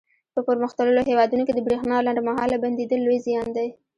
په پرمختللو هېوادونو کې د برېښنا لنډ مهاله بندېدل لوی زیان دی.